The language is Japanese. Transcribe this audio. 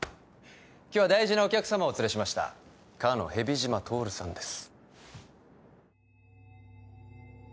今日は大事なお客様をお連れしましたかの蛇島透さんです